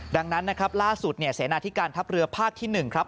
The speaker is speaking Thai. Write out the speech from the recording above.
ดังนั้นนะครับล่าสุดเนี่ยเสนาที่การทัพเรือภาคที่๑ครับ